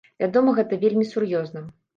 Вядома гэта вельмі сур'ёзна.